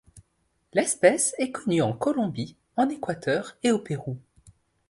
L'espèce est connue en Colombie, en Equateur, et au Pérou.